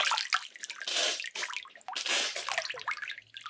Album bylo kritikou přijato kladně.